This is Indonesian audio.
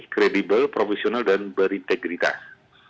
kredibel profesional dan berintegritas